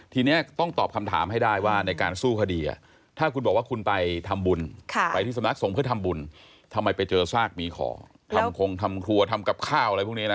ทีนี้ต้องตอบคำถามให้ได้ว่าในการสู้คดีถ้าคุณบอกว่าคุณไปทำบุญไปที่สำนักทรงเพื่อทำบุญทำไมไปเจอซากหมีขอทำคงทำครัวทำกับข้าวอะไรพวกนี้นะ